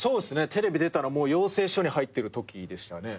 テレビ出たの養成所に入ってるときでしたね。